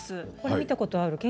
見たことある。